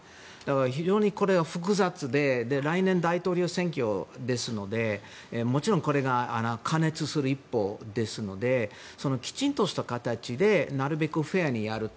非常にこれは複雑で来年、大統領選挙ですのでもちろんこれが過熱する一方ですのできちんとした形でなるべくフェアにやると。